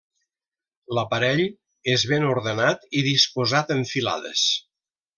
L'aparell és ben ordenat i disposat en filades.